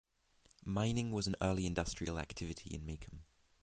Mining was an early industrial activity in Macomb.